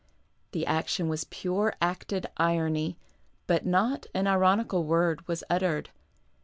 The action was pure acted irony, but not an ironical word was uttered.